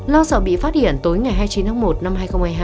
lo sợ bị phát hiện tối ngày hai mươi chín tháng một năm hai nghìn hai mươi hai